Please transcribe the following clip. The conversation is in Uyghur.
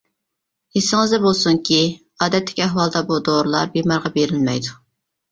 ئېسىڭىزدە بولسۇنكى، ئادەتتىكى ئەھۋالدا بۇ دورىلار بىمارغا بېرىلمەيدۇ.